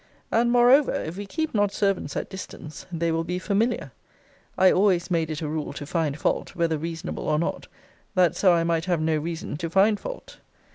And, moreover, if we keep not servants at distance, they will be familiar. I always made it a rule to find fault, whether reasonable or not, that so I might have no reason to find fault.